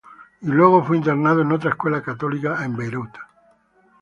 Y luego fue internado en otra escuela católica en Beirut.